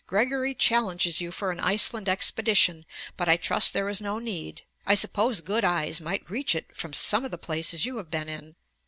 Gregory challenges you for an Iceland expedition; but I trust there is no need; I suppose good eyes might reach it from some of the places you have been in.'